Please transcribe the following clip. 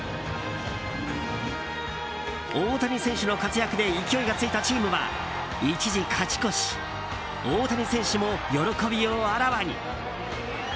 大谷選手の活躍で勢いがついたチームは一時勝ち越し大谷選手も喜びをあらわに。